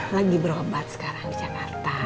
lagi berobat sekarang di jakarta